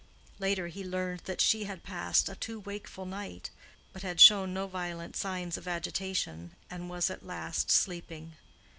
Later, he learned that she had passed a too wakeful night, but had shown no violent signs of agitation, and was at last sleeping.